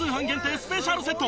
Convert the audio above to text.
スペシャルセット